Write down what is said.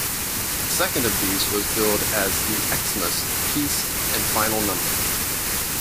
The second of these was billed as the Xmas, Peace and Final Number.